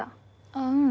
ああううん。